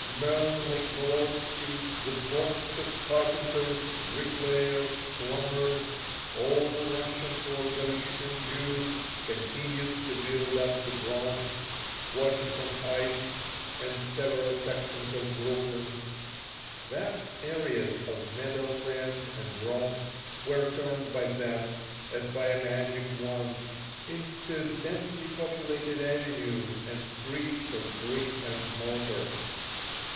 Men like Volodsky, with hosts of carpenters, bricklayers, plumbers all Russian or Galician Jews continued to build up the Bronx, Washington Heights, and several sections of Brooklyn. Vast areas of meadowland and rock were turned by them, as by a magic wand, into densely populated avenues and streets of brick and mortar.